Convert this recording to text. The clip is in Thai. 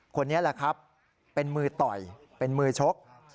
คนนี้แหละครับเป็นมือต่อยเป็นมือชก